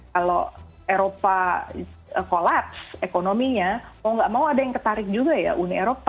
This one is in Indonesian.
kalau eropa kolapse ekonominya mau gak mau ada yang ketarik juga ya uni eropa